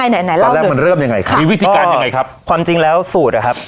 ตอนแรกมันเริ่มยังไงครับ